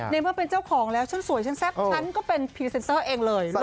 ในเมื่อเป็นเจ้าของแล้วฉันสวยฉันแซ่บฉันก็เป็นพรีเซนเตอร์เองเลย